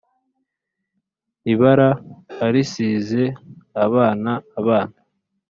ibara urisize abana abana